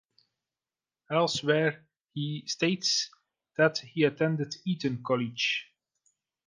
Elsewhere he states that he attended Eton College.